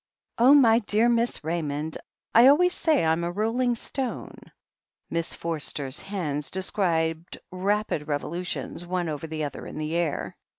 "Oh, my dear Miss Raymond ! I always say I'm a rolling stone!" Miss Forster's hands described rapid revolutions one over the other in the air.